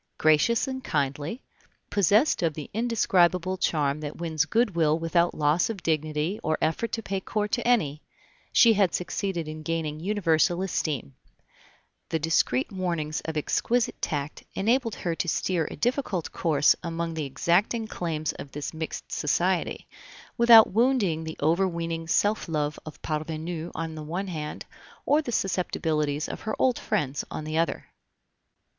Gracious and kindly, possessed of the indescribable charm that wins good will without loss of dignity or effort to pay court to any, she had succeeded in gaining universal esteem; the discreet warnings of exquisite tact enabled her to steer a difficult course among the exacting claims of this mixed society, without wounding the overweening self love of parvenus on the one hand, or the susceptibilities of her old friends on the other.